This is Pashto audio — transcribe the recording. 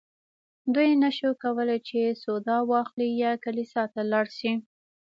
دوی نه شوای کولی چې سودا واخلي یا کلیسا ته لاړ شي.